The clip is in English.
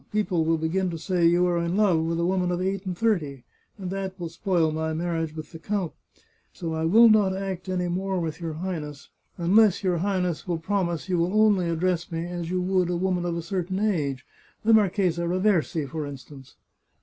People will begin to say you are in love with a woman of eight and thirty, and that will spoil my marriage with the count. So I will not 451 The Chartreuse of Parma act any more with your Highness unless your Highness will promise you will only address me as you would a woman of a certain age — the Marchesa Raversi, for instance."